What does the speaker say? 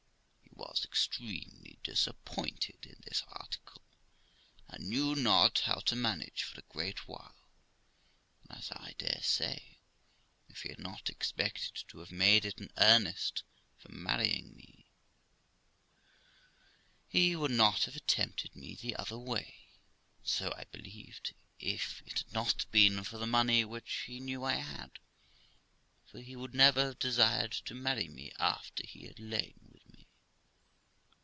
He was extremely disappointed in this article, and knew not how to manage for a great while ; and, as I dare say, if he had not expected to have made it an earnest for marrying me, he would not have attempted me the other way, so, I believed, if it had not been for the money which he knew I had, he would never have desired to marry me after he had lain with me.